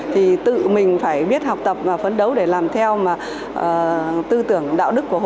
thì tự mình phải biết học tập và phấn đấu để làm theo tư tưởng đạo đức hồ chí minh